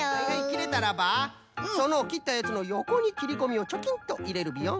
きれたらばそのきったやつのよこにきりこみをチョキンといれるビヨン。